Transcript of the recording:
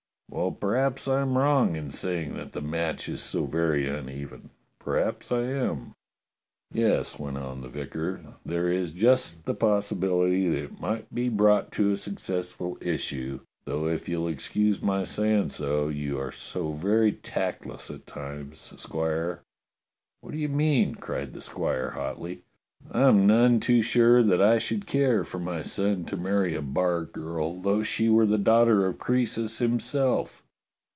Well, perhaps I am wrong in saying that the match is so very uneven. Perhaps I am." "Yes," went on the vicar, "there is just the possibil ity that it might be brought to a successful issue, though if you'll excuse my saying so, you are so very tactless at times, Squire." "What do you mean?" cried the squire hotly. "I am none too sure that I should care for my son to marry 228 DOCTOR SYN a bargirl, though she were the daughter of Croesus him self."